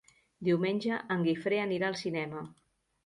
Diumenge en Guifré anirà al cinema.